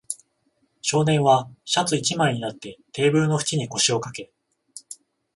少年はシャツ一枚になって、テーブルの縁に腰をかけ、